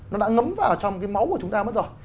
nó đã ngấm vào trong cái máu của chúng ta mất rồi